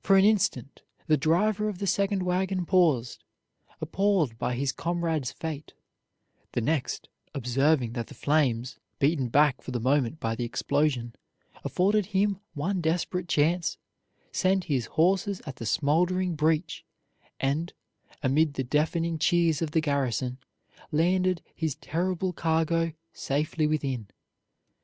For a instant the driver of the second wagon paused, appalled by his comrade's fate; the next, observing that the flames, beaten back for the moment by the explosion, afforded him one desperate chance, sent his horses at the smoldering breach and, amid the deafening cheers of the garrison, landed his terrible cargo safely within.